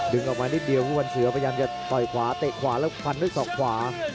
ออกมานิดเดียวทุกวันเสือพยายามจะต่อยขวาเตะขวาแล้วฟันด้วยศอกขวา